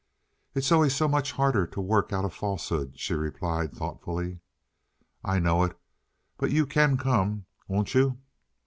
"It's always so much harder to work out a falsehood," she replied thoughtfully. "I know it, but you can come. Won't you?"